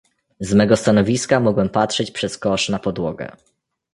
"Z mego stanowiska mogłem patrzeć przez kosz na podłogę."